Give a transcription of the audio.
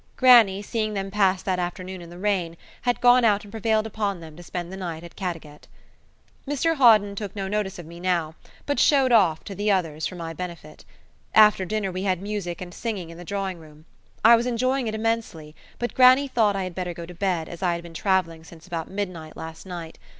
Grannie, seeing them pass that afternoon in the rain, had gone out and prevailed upon them to spend the night at Caddagat. Mr Hawden took no notice of me now, but showed off to the others for my benefit. After dinner we had music and singing in the drawing room. I was enjoying it immensely, but grannie thought I had better go to bed, as I had been travelling since about midnight last night.